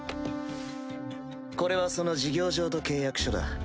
これはその事業譲渡契約書だ。